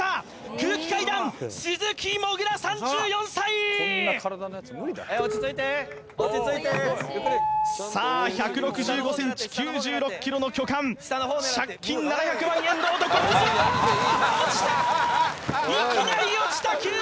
空気階段鈴木もぐら３４歳さあ１６５ｃｍ９６ｋｇの巨漢借金７００万円の男あー落ちたー！